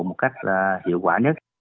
một cách hiệu quả nhất